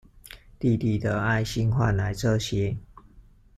弟弟的愛心換來這些